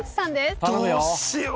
どうしよう。